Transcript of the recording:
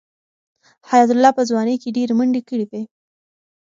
حیات الله په خپله ځوانۍ کې ډېرې منډې کړې وې.